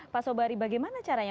pak sobari bagaimana caranya